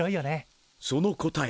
・その答え